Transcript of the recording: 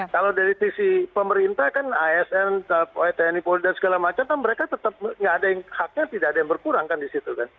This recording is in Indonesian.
kalau dari sisi pemerintah kan asn tni polri dan segala macam kan mereka tetap haknya tidak ada yang berkurang kan di situ kan